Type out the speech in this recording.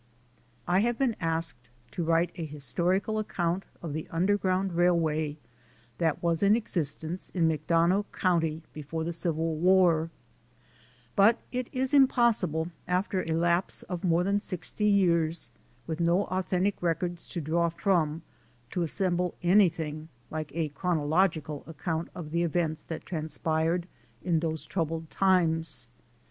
I have been asked to write a historical account of the underground railway that was in existence in McDonough county before the Civil war, but it is impossible, after a lapse of more than sixty years, with no authentic records to draw from, to assemble anything like a chronological account of the events that transpired in those troubled times.